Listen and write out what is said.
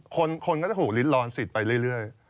คนก็จะถูกลิ้นลอนสิทธิ์ไปเรื่อย